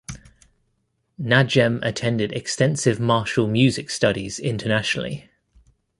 Najem attended extensive martial music studies internationally.